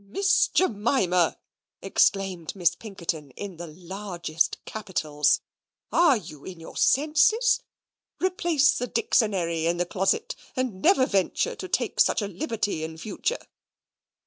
"MISS JEMIMA!" exclaimed Miss Pinkerton, in the largest capitals. "Are you in your senses? Replace the Dixonary in the closet, and never venture to take such a liberty in future."